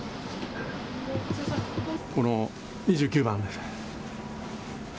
この２９番です。